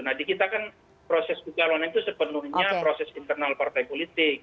nah di kita kan proses pencalonan itu sepenuhnya proses internal partai politik